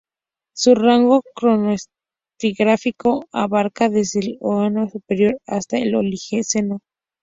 Su rango cronoestratigráfico abarca desde el Eoceno superior hasta el Oligoceno.